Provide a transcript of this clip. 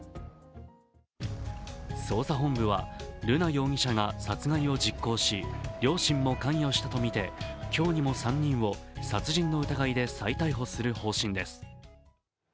捜査本部は瑠奈容疑者が殺害を実行し、両親も関与したとみて今日にも３人を殺人の疑いで再逮捕する方針です。